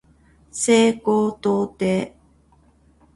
西高東低